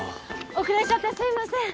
遅れちゃってすいません！